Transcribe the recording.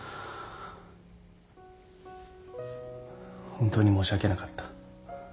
本当に申し訳なかった。